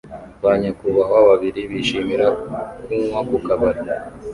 Ba nyakubahwa babiri bishimira kunywa ku kabari